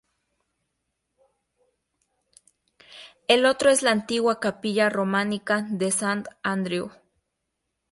El otro es la antigua capilla románica de Sant Andreu.